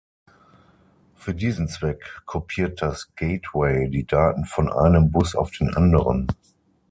Für diesen Zweck kopiert das Gateway die Daten von einem Bus auf den anderen.